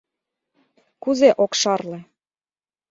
Кузе ок шарле?